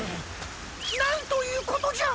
なんということじゃ！